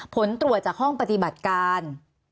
ผลตรวจจากห้องปฏิบัติการ